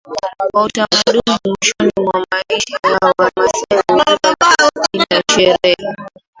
Kwa utamaduni mwishoni mwa maisha yao Wamasai huzikwa bila ya sherehe